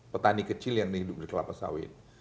petani kecil yang hidup di kelapa sawit